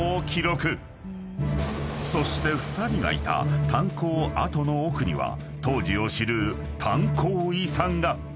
［そして２人がいた炭鉱跡の奥には当時を知る炭鉱遺産が］